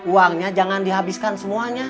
uangnya jangan dihabiskan semuanya